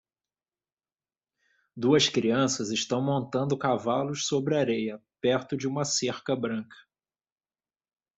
Duas crianças estão montando cavalos sobre areia perto de uma cerca branca.